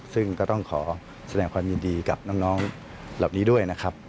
ซึ่งก็ต้องขอแสดงความยินดีกับน้องเหล่านี้ด้วยนะครับ